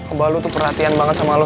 oba lo tuh perhatian banget sama lo